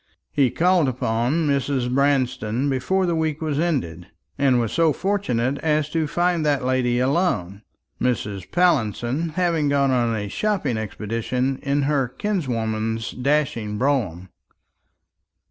He called upon Mrs. Branston before the week was ended, and was so fortunate as to find that lady alone; Mrs. Pallinson having gone on a shopping expedition in her kinswoman's dashing brougham.